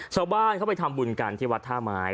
ชาวบ้านเขาไปทำบุญกันที่วัดท่าไม้